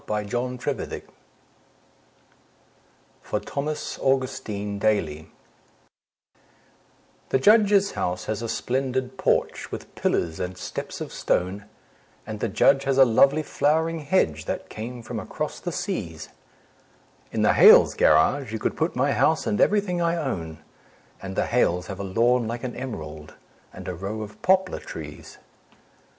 The Snowman in the Yard (For Thomas Augustine Daly) The Judge's house has a splendid porch, with pillars and steps of stone, And the Judge has a lovely flowering hedge that came from across the seas; In the Hales' garage you could put my house and everything I own, And the Hales have a lawn like an emerald and a row of poplar trees.